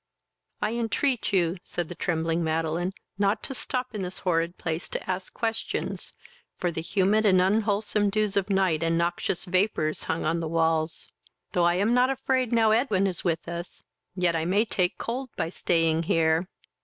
"I entreat you (said the trembling Madeline) not to stop in this horrid place to ask questions, (for the humid and unwholesome dews of night and noxious vapours hung on the walls.) Though I am not afraid now Edwin is with us, yet I may take cold by staying here."